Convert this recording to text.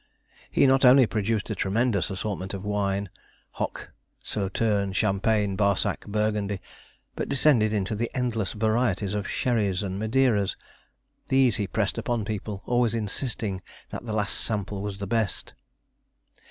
He not only produced a tremendous assortment of wines Hock, Sauterne, Champagne, Barsack, Burgundy, but descended into endless varieties of sherries and Madeiras. These he pressed upon people, always insisting that the last sample was the best.